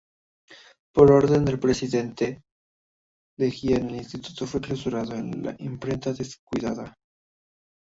Por orden del presidente Leguía el Instituto fue clausurado y la imprenta destruida.